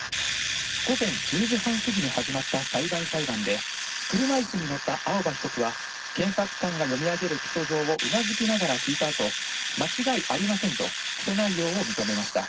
午前１０時半過ぎに始まった裁判員裁判で、車いすに乗った青葉被告は、検察官が読み上げる起訴状をうなずきながら聞いた後、間違いありませんと、起訴内容を認めました。